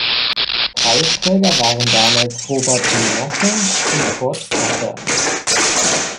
Preisträger waren damals Robert Menasse und Kurt Strasser.